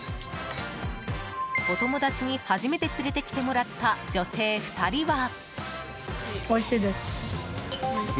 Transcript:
お友達に初めて連れてきてもらった女性２人は。